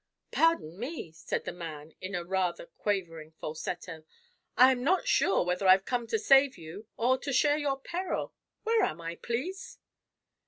"Pardon me," said the man, in a rather quavering falsetto, "I'm not sure whether I've come to save you or to share your peril. Where am I, please?"